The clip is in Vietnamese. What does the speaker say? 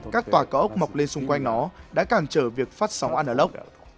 các tòa cỏ ốc mọc lên xung quanh nó đã càng trở việc phát sóng analog